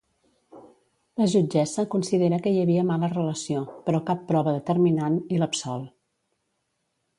La jutgessa considera que hi havia mala relació, però cap prova determinant, i l'absol.